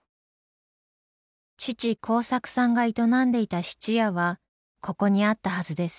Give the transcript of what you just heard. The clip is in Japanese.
父孝作さんが営んでいた質屋はここにあったはずです。